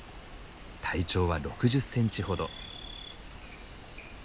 体長は６０センチほど。